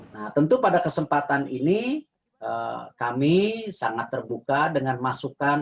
nah tentu pada kesempatan ini kami sangat terbuka dengan masukan